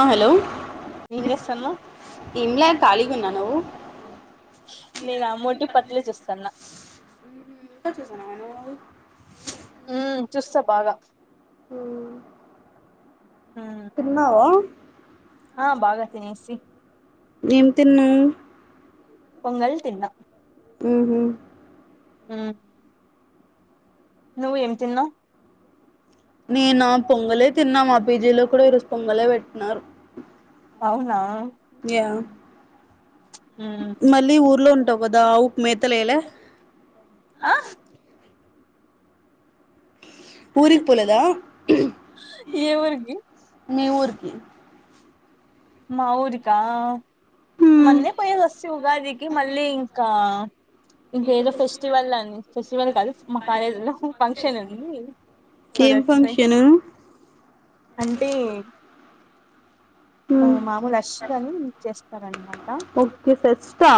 ఆ హలో ఏం చేస్తాన్నవ్ ఇమ్లా కాలిగున్నా నువ్వు నేనా మోటు పత్లు చూస్తాన్న ఇంకా చూసనవ నువ్వు అవి మ్మ్ చూస్తా బాగా ఊమ్ ఊమ్ ఆ బాగా తినేసి ఏం తిన్నావ్ పొంగల్ తిన్నా ఉమ్ హు ఉమ్ నువ్ ఏం తిన్నావ్ నేన పొంగలే తిన్నా మా పీజీలో కూడా ఈరోజు పొంగలే పెట్టినారు అవునా యా మ్మ్ మళ్ళీ ఊర్లో ఉంటావు గదా ఆవుకు మేతలేయల ఆ ఊరిపోలదా ఏ ఊరికి మీ ఊర్కి మా ఊరికా మొన్నే పోయేసోస్తి ఉగాదికి మళ్ళీ ఇంకా ఇంక ఏదో ఫెస్టివల్ అని ఫెస్టివల్ కాదు మా కాలేజీ లో ఫంక్షన్ ఉంది సో ఏం దట్స్ వై ఫంక్షను అంటే ఆ మామూలు అశ్వ్ అని చేస్తారనమాట ఓకే ఫెస్టా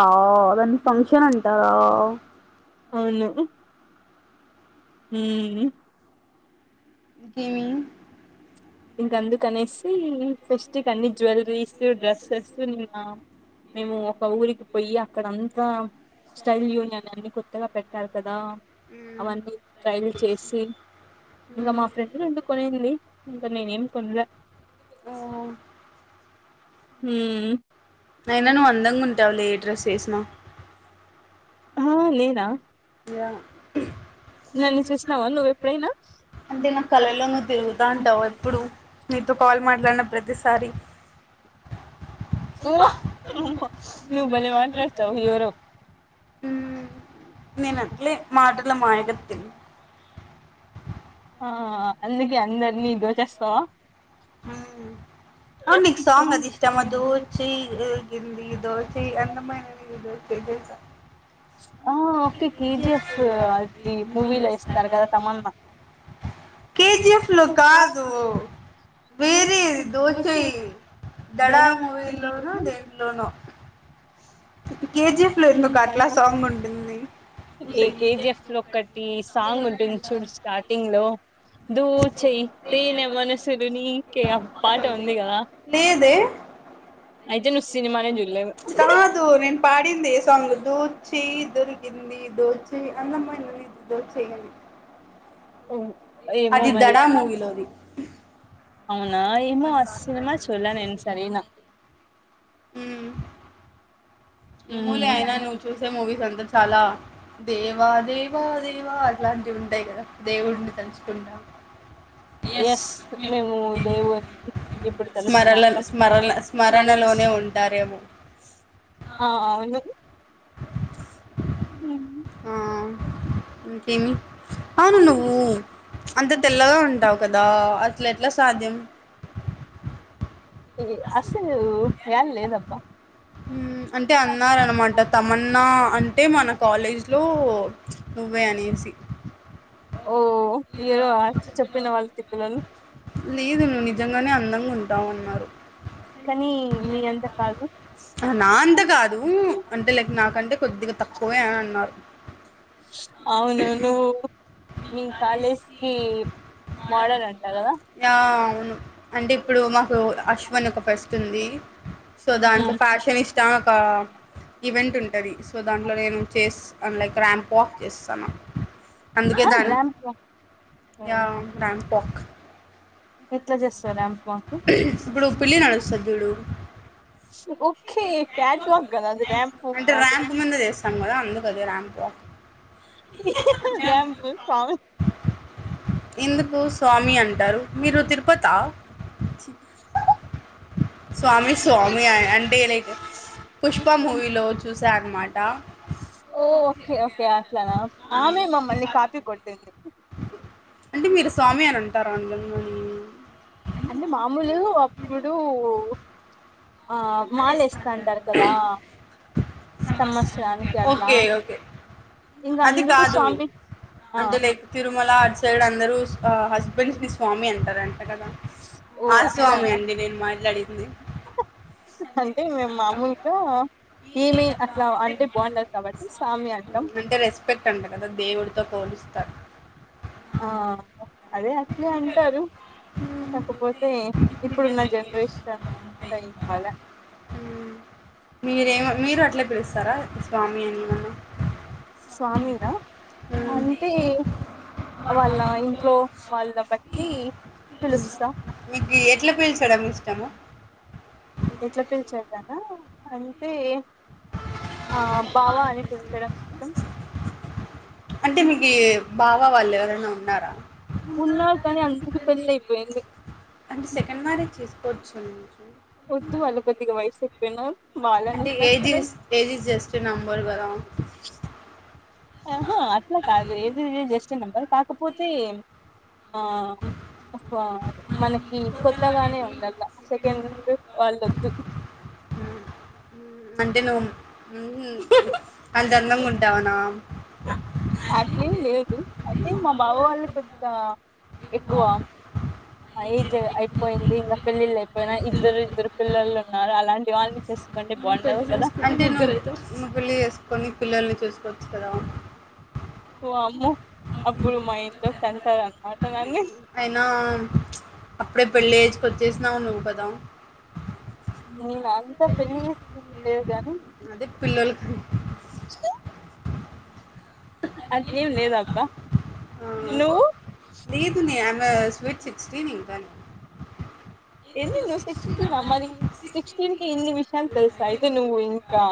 దాన్ని ఫంక్షన్ అంటారా అవును ఊమ్ ఇంకేమి ఇంక అందుకనేసి ఫెస్ట్కీ అన్ని జ్యువెలరీస్ డ్రెస్సెస్ నిన్న మేము ఒక ఊరికి పోయి అక్కడంతా స్టైల్ యూనియన్ అన్ని కొత్తగా పెట్టారు కదా అవన్నీ ట్రైల్ చేసి ఇంగా ఉ మా ఫ్రెండ్ రెండు కొనింది ఇంగా నేను ఏం కొనలే ఆ ఉమ్ అయినా నువ్వు అందంగా ఉంటావు లే ఏ డ్రెస్ ఏసిన ఆ లేదా ఏమో నన్ను చూసినవా నువ్ ఎప్పుడైనా అంటే నా కళల్లో నువ్వు తిరుగుతా ఉంటావు ఎప్పుడు నీతో కాల్ మాట్లాడిన ప్రతిసారి [inaudible] ఉవ్వ ఉవ్వా అమ్మ నువ్ నువ్వు బలే భలే మాట్లాడతావ్ మాట్లాడతావు ఎవరో ఉమ్ నేనట్లే మాటల మాయగత్తని ఆ అందుకే అందరినీ దోచేస్తావా ఉమ్ అవును సాంగ్ అది ఇష్టమా దోచెయ్ కింది దోచెయ్ అందమైన దోచెయ్ బల్కల్ సార్ [unintelligible] ఆ ఓకే కేజీఎఫ్ అది మూవీలో యెస్తారు కదా తమన్నా కేెజీఎఫ్ లో కాదు వేరేది దోచెయ్ దడా మూవీలోనో దేంట్లోనో కేజీఎఫ్ లో ఎందుకు అట్లా సాంగ్ ఉంటుంది ఉసై ఏకేజిఎఫ్ లో ఒకటి సాంగ్ ఉంటుంది చూడు స్టార్టింగ్ లో దోచెయ్ తేనె మనసులు నీకే ఆపాట ఉంది గదా ఏందే అయితే నువ్ సినిమానే జు కాదు నేను పాడింది ఏ సాంగ్ దోచేయ్ దొరికింది దోచేయ్ అందమైనది దోచేయ్ ఓ [unintelligible] అది దడా మూవీలోది అవునా ఏమో ఆ సినిమా చూలే నేను సరినా ఉమ్ ఏమోలే అయినా నువ్వు చూసే మూవీస్ అంత చాలా దేవా దేవా దేవా అలా ఉంటాయి గదా దేవుడిని తలుచుకుంటా ఎస్ మేము దేవుని ఇప్పుడు స్మర కలుస్తాను స్మర స్మరణలో నే ఉంటారేమో ఆ అవును [inaudible] ఉమ్ ఆ ఇంకేమి అవును నువ్వు అంత తెల్లగా ఉంటావు కదా అట్ల ఎట్లా సాధ్యం అసలు ఏం లేదబ్బా ఉమ్ణఅంటే అన్నార అన్నమాట తమన్నా అంటే మన కాలేజ్ లో నువ్వే అనేసి [inaudible] ఓ హీరో ఆ చెప్పిన వాళ్ళు తిక్కలోళ్ళు లేదు నువ్వు నిజంగానే అందంగా ఉంటావు అన్నారు కానీ మీ అంత కాదు నా అంత కాదు అంటే లైక్ నాకంటే కొద్దిగా తక్కువే అని అన్నారు అవును నువ్ నువ్ కాలేజ్కి మోడలంట గదా అవును అంటే ఇప్పుడు మాకు అశ్వన్ ఒక ఫెస్ట్ ఉంది సో దాంట్లో ఫ్యాషన్ ఇష్ట ఒక ఈవెంట్ ఉంటది సో దాంట్లో నేను చేస్ అ లైక్ ర్యాంప్ రాంప్వాక్ చేస్తానా అందుకే ఆ దాకా ర్యాంప్ వాక్ యా రాంప్వాక్ ఎట్లా చేస్తావు ర్యాంప్ వాక్ ఇప్పుడు పిల్లి నడుస్తది చూడు ఓకే క్యాట్ వాక్ కదా అది ర్యాంప్ వాక్ అంటే కాదు ర్యాంప్ మీద చేస్తాం కదా అందుకుది ర్యాంప్ మ ర్యాంప్ స్వామి ఎందుకు స్వామి అంటారు మీరు తిరుపత స్వామి స్వామి అంటేలైక్ పుష్ప మూవీలో చూసా అన్నమాట ఓ ఓకే ఓకే అట్లనా ఆమె మమ్మల్ని కాపీ కొట్టింది అంటే మీరు స్వామి అని అంటారా అను అంటే మామూలు అప్పుడు ఆ మాలేస్తఅంటారు కదా సంవత్సరానికి అట్లా ఓకే ఓకే ఇంకా అది అందుకు కాదు స్వామి ఆ అంటే లైక్ తిరుమల అటు సైడ్ అందరు ఆ హస్బెండ్ ని స్వామి అంటారు అంట కదా ఓ ఆ స్వామి అట్లానా అండి నేను మాట్లాడి ఆ అంటె మేము మామూలుగా ఏమి అట్లా అంటే బాగుండదు కాబట్టి సామి అంటాం కదా దేవుడితో త ఆ అదే అట్లే అంటారు కాకపోతే ఇప్పుడున్న జనరేషన్ ఉంటాయి మళ మీరేమ మీరు అట్లే పిలుస్తారా స్వామి అని ఎం అన స్వామినా అంటే వాళ్ళ ఇంట్లో వాళ్ళ బట్టి పిలుస్తా మీకు ఎట్లా పేల్చూడం ఇష్టము ఎట్లా పీల్చడం ఆ అంటే ఆ బావా అని పీల్చడం ఇష్టం అంటే మీకు బావా వాళ్ళు ఎవరైనా ఉన్నారా ఉన్నారు కానీ అందరికి పెళ్లి అయిపోయింది అంటే సెకండ్ మ్యారేజ్ చేసుకోవచ్చు వద్దు వాళ్లకి కొద్దిగా వయసు ఎక్కువ అంటే ఏజిస్ ఏజ్స్ జస్ట్ నంబరు కదా అట్లా కాదు age is a just number కాకపోతే ఆ మనకి కొత్తగానే ఉండాల సెకండ్ వాళ్ళొదు అంటే నువ్వు అంతందంగా ఉంటావునా అట్లేం లేదు అంటే మా బావ వాళ్ళు పెద్దిగా ఎక్కువ ఏజ్ అయిపోయింది ఇంకా పెళ్ళిళ్ళు అయిపోయిన ఇద్దరు ఇద్దరు పిల్లలు ఉన్నారు అలాంటి వాళ్ళని చే పెళ్లి చేసుకొని పిల్లల్ని చూసుకోవచ్చు కదా అమ్మో అప్పుడు మా ఇంట్లో తంతరు అన్నమాట నన్ని అయినా అప్పుడే పెళ్లి ఏజ్కి వచ్చేసినావు నువ్వు కదా నను అంతా పెళ్లిద [inaudible] అది పిలల చె అట్లే ఎమ్ లేదక్కా ఆ లేద్ మ్య అమస్ స్వీట్ సిక్స్ స్టిన్ కానీ ఏంది నువ్ సిక్స్ టీనా మరి సిక్స్ టీన్ కే ఇన్ని విశ్ ఎమ్ తెల్ స్ అయితే నువ్ ఇంకా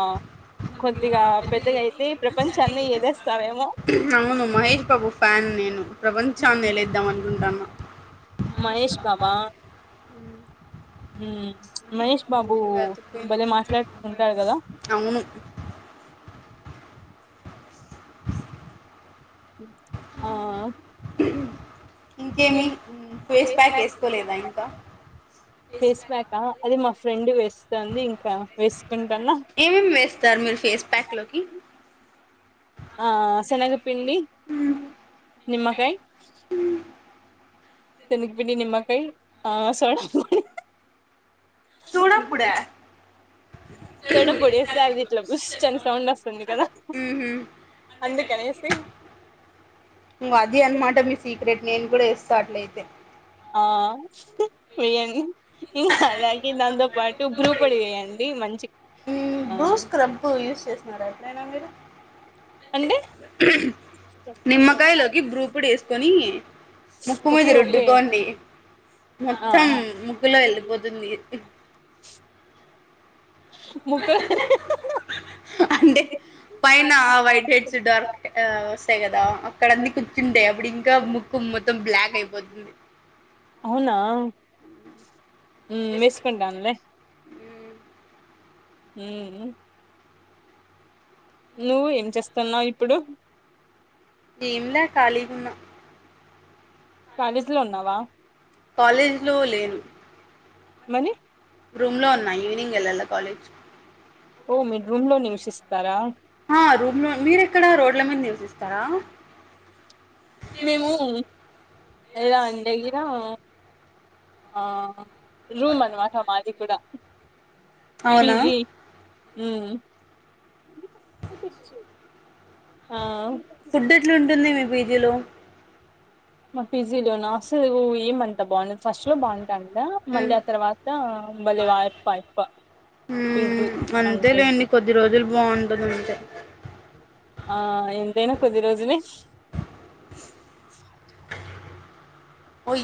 కొద్దిగా పెద్దగా అయితే ప్రపంచాన్ని ఏలేస్తావేమో అవును మహేష్ బాబు ఫ్యాన్ నేను ప్రపంచాన్ని ఏలేద్దాం అనుకుంటాన మహేష్ బాబా ఉమ్ మహేష్ బాబు ఫుల్ బతికిపోయింది భలే మాట్లాడ్ తుంటాడు కదా అవును ఆ ఇంకేమి ఫేస్ ప్యాక్ వేసుకోలేదా ఇంకా ఫేస్పాక్ ఆ అది మా ఫ్రెండ్ వేస్తుంది ఇంకా వే ఏమేమి వేస్తారు మీరు ఫేస్ ప్యాక్ లోకి ఆ శెనగపిండి నిమ్మకాయి శెన్ గ్ పిండి నిమ్మకయి ఆ సోడా సూడాపుడా సోడా బూడి ఇస్ సాది ఇట్లా బుష్ అని సౌండ్ వస్తుంది కదా ఉహు అందు కనేసి ఉం అది అన్ మాట నీ సీక్రెట్ నే సట్లయితే ఆ ఊయన్ [unintelligible] ఇంకా అలాగే దాంతో పాటు బ్రూ పొడి వేయండి మంచి ఆ బ్రూ స్క్రబ్ యూస్ చేస్తున్నారా ఎప్పుడైనా మీరు అంటే నిమ్మకాయలోకి బ్రూ పొడి వేసుకొని ముక్కు మీద ఓకే ఓకే రుద్దుకోండి ఆ మొత్తం ముక్కుల్ లో ఎళ్ళిపోతుంది ముక్కు లో అంటే పైన ఆ వైట్ హెడ్స్ డార్క్ ఆ వస్తాయి కదా అక్కడ అన్న కూర్చుంటాయి అప్పుడు ఇంకా ముక్కు మొత్తం బ్లాక్ అయిపోతుంది అవునా ఉమ్ వేసుకుంటానులే ఉహుమ్ నువ్వు ఏం చేస్తన్నావు ఇప్పుడు ఎమ్ లే కాలి గున్న కాలేజ్ లో ఉన్నావా కాలేజ్ లో లేను మని రూమ్ లో ఉన్నా ఈవినింగ్ ఎళ్ళాల కాలేజ్ ఓ మీర్ రూమ్ లో నివశిస్తారా ఆ రూమ్ లో మీరెక్కడ రోడ్ల మీద నివసిస్తారా మేము ఎల్ల డేగిరమ్ [unintelligible] ఆ రూమ్ అన్ మాట మాది కుడ అవునా ఉహుమ్ ఫుడ్ ఎట్లా ఉంటుంది మీ పీజీలో మా పిజిలో నా అసలు ఏమంతా బాఉండద్ ఫస్ట్ లో బాటంటా మళ్ళీ ఆ తర్వాత బళ్ళే వాయి పయి ప [unintelligible] ఉమ్మ్ అంతే లేండి కొద్ది రోజులు బాఉంటుంది అంతే ఆ ఎంతైనా కొద్ది రోజులే ఓయ్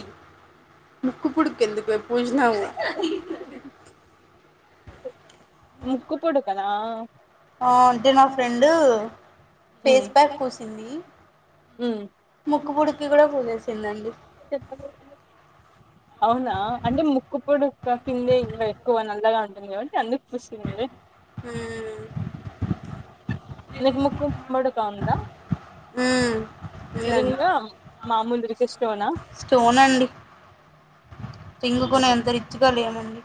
ముక్కు పూడుకు ఎందుకె పూజినావు ముక్కు పుడకనా అంటే నా ఫ్రెండు ఉమ్ ఫేస్ ప్యాక్ పూసింది ఉమ్ ముక్కు పుడకి కూడా పోసేసిందండి ఇం కిందే ఇంకా ఎక్కువ నల్లగా ఉంటుంది కాబట్టి అందుకు పుసిందిలే హమ్ [unintelligible] హ్మ్ ఉందండి మాముూలు [unintelligible] స్టోన్ అండి రింగ్ కొనే అంత రిచ్చుగా లేమండి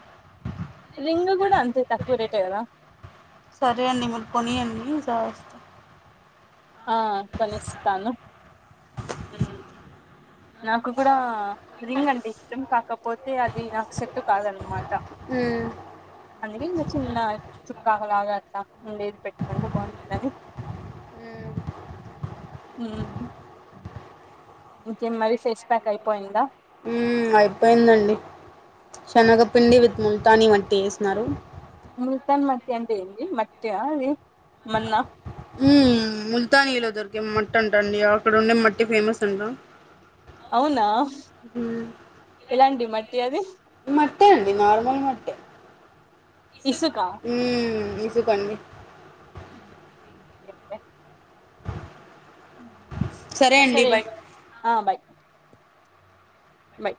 రింగు కూడా అంతే తక్కు రేటే ఏ కదా కొని అండి ఈసర్ వస్త ఆ కొనిస్తాను ఉమ్ నాకు కూడా రింగ్ అంటే ఇష్టం కాకపోతే అది నాకు సేట్టు కాదనమాట హమ్ అధి ఇంకా చిన్న చుక్కాలాగా అట్లా ఉండేది పెట్టుకంటే బాగుంటుందని ఆ హ్మ్ ఇంకేం మరి ఫేష్ ప్యాక్ అయిపోయిందా హ్మ్ అయిపోయిందండి శనగపిండి విత్ ముల్తానీ మట్టి వేసిన్నారు ముల్తాన్ మట్టి అంటే ఏంది మట్టా అది మన్నా ఉ ముల్తాన్ ఇల ధోరకె మ ట్ంటండి అక్కడ ఉండే మట్టి ఫేమస్ అంటా అవునా ఎలాంటి మట్టి అది మట్టె అండి నార్మల్ మట్టె ఇసుక హ ఇసుకండి అండి సరే బాయ్ ఆ బాయ్ బాయ్